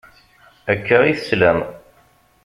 Akka i teslam.